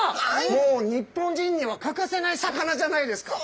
もう日本人には欠かせない魚じゃないですか。